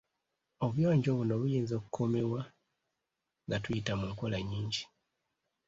Obuyonjo buno buyinza okukuumibwa nga tuyita mu nkola nnyingi.